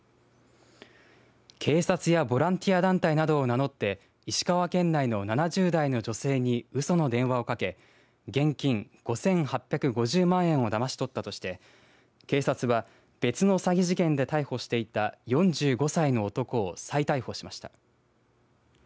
警察やボランティア団体などを名乗って石川県内の７０代の女性にうその電話をかけ現金５８５０万円をだまし取ったとして警察は別の詐欺事件で逮捕していた４５歳の男を再逮捕しました。